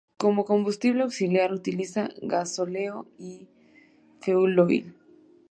Como combustible auxiliar utiliza gasóleo y fueloil.